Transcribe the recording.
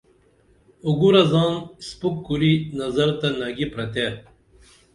اُگُرہ زان اِسپُک کُری نظر تہ نگی پرتے